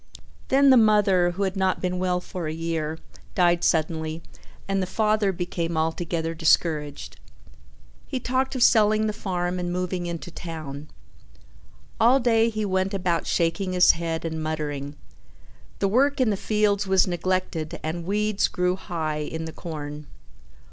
Then the mother, who had not been well for a year, died suddenly, and the father became altogether discouraged. He talked of selling the farm and moving into town. All day he went about shaking his head and muttering. The work in the fields was neglected and weeds grew high in the corn.